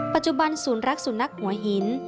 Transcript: ปัจจุบันศูนรักษณะหัวหิน